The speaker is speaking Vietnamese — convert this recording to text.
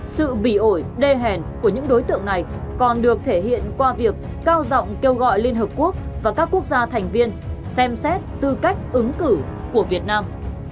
sự bị ổi đê hèn của những đối tượng này còn được thể hiện qua việc cao giọng kêu gọi liên hợp quốc và các quốc gia thành viên xem xét tư cách ứng cử của việt nam